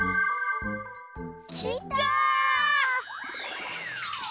きた！